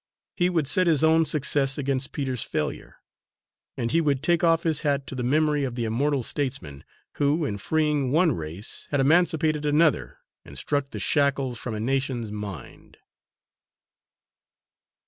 He would set his own success against Peter's failure; and he would take off his hat to the memory of the immortal statesman, who in freeing one race had emancipated another and struck the shackles from a Nation's mind.